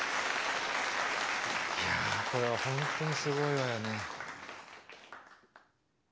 いやこれは本当にすごいわよね。